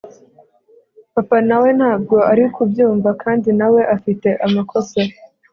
Papa nawe ntabwo ari kubyumva kandi nawe afite amakosa